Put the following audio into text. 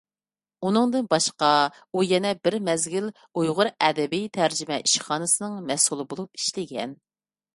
ئۇنىڭدىن باشقا، ئۇ يەنە بىر مەزگىل ئۇيغۇر ئەدەبىي تەرجىمە ئىشخانىسىنىڭ مەسئۇلى بولۇپ ئىشلىگەن.